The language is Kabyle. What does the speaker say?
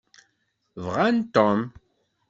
Bɣan Tom.